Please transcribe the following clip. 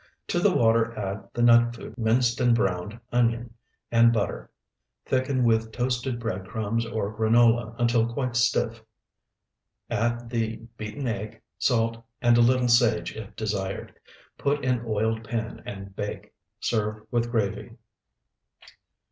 To the water add the nut food minced, minced and browned onion, and butter. Thicken with toasted bread crumbs or granola until quite stiff. Add the beaten egg, salt, and a little sage if desired. Put in oiled pan and bake. Serve with gravy.